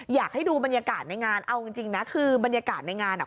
อยากให้ดูบรรยากาศในงานเอาจริงนะคือบรรยากาศในงานอ่ะ